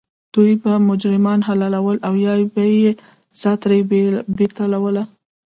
دوی به مجرمان حلالول او یا یې سا ترې بیټوله.